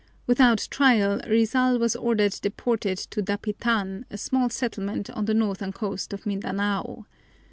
Without trial Rizal was ordered deported to Dapitan, a small settlement on the northern coast of Mindanao.